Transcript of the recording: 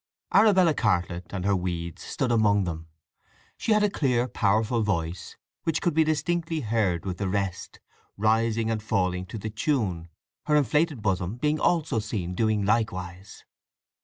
Arabella Cartlett and her weeds stood among them. She had a clear, powerful voice, which could be distinctly heard with the rest, rising and falling to the tune, her inflated bosom being also seen doing likewise.